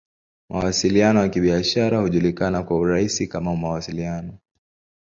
Mawasiliano ya Kibiashara hujulikana kwa urahisi kama "Mawasiliano.